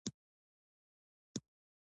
د فراه په قلعه کاه کې د مالګې نښې شته.